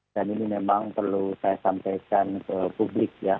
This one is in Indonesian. dan ini memang perlu saya sampaikan ke publik ya